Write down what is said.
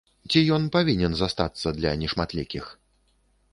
Ці ён павінен застацца для нешматлікіх?